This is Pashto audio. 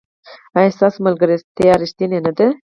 ایا ستاسو ملګرتیا ریښتینې نه ده؟